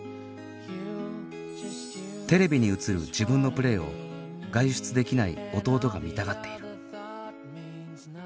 テレビに映る自分のプレーを外出できない弟が見たがっている